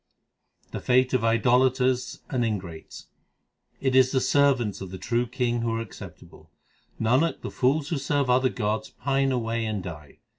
The fate of idolaters and ingrates : It is the servants of the True King who are acceptable ; Nanak, the fools who serve other gods pine away and die.